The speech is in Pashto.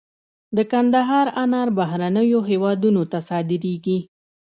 د کندهار انار بهرنیو هیوادونو ته صادریږي